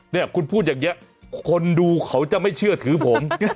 เนี่ยคุณพูดอย่างนี้คนดูเขาจะไม่เชื่อถือผม